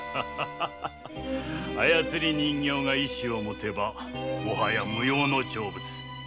操り人形が意志をもてばもはや無用の長物。